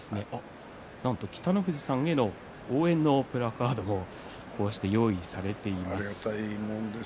北の富士さんへの応援のプラカードを用意されています。